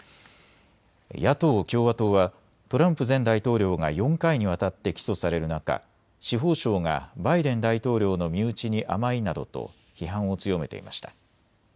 野党・共和党はトランプ前大統領が４回にわたって起訴される中、司法省がバイデン大統領の身内に甘いなどと批判を強めていました。